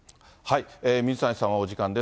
水谷さんはお時間です。